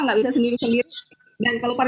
tidak bisa sendiri sendiri dan kalau